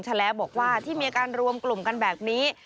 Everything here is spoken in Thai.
แลบอกว่าที่มีการรวมกลุ่มกันแบบนี้